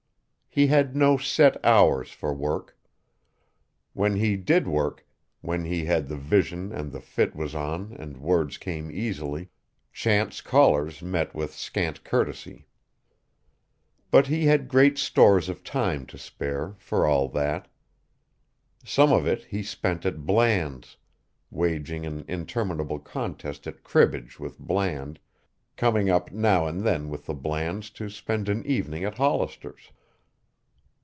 He had no set hours for work. When he did work, when he had the vision and the fit was on and words came easily, chance callers met with scant courtesy. But he had great stores of time to spare, for all that. Some of it he spent at Bland's, waging an interminable contest at cribbage with Bland, coming up now and then with the Blands to spend an evening at Hollister's.